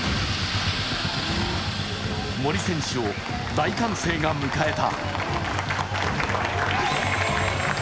森選手を大歓声が迎えた。